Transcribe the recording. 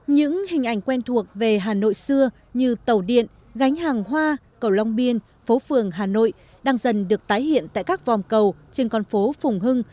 những hình ảnh quen thuộc về hà nội xưa như tàu điện gánh hàng hoa cầu long biên phố phường hà nội đang dần được tái hiện tại các vòng cầu trên con phố phùng hưng